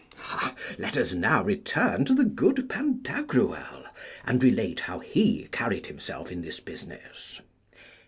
Let us now return to the good Pantagruel, and relate how he carried himself in this business.